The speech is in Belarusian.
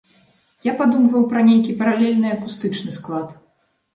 Я падумваў пра нейкі паралельны акустычны склад.